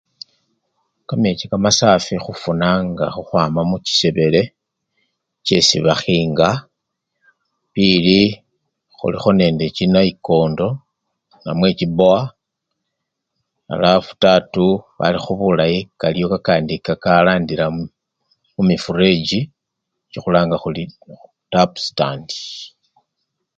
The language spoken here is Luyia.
Kamechi kamasafi khufunanga khukhwama muchisebele chesi bakhinga, mbili khulikho nende chinayikondo namwe chibowa alafu tatu kalikho bulayi kaliyo kakandi kakalandila mumifurejji nicho khulanga khuli tapu sandi